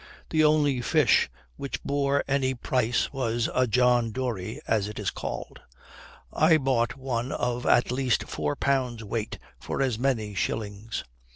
The only fish which bore any price was a john doree, as it is called. I bought one of at least four pounds weight for as many shillings.